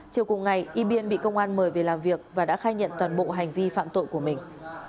chiều cùng ngày y biên bị công an mời về làm việc và đã khai nhận toàn bộ hành vi phạm tội của mình